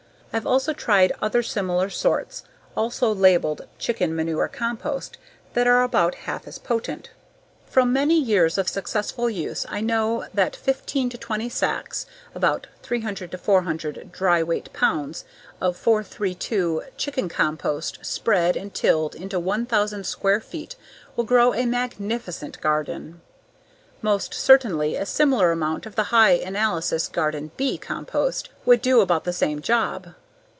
I've also tried other similar sorts also labeled "chicken manure compost" that are about half as potent. From many years of successful use I know that 15 to 20 sacks (about 300 400 dry weight pounds) of 4 3 2 chicken compost spread and tilled into one thousand square feet will grow a magnificent garden. Most certainly a similar amount of the high analysis Garden "B" compost would do about the same job.